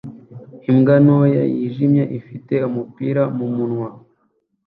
Imbwa ntoya yijimye ifite umupira mumunwa